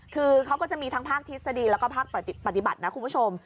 คือเขาก็จะมีทั้งภาคทฤษฎีแล้วก็ภาคปฏิบัตินะคุณผู้ชม